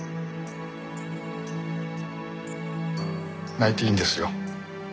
泣いていいんですよ。